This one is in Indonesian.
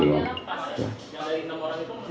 yang lain enam orang itu meninggal